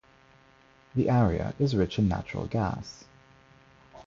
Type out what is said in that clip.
The area is rich in natural gas.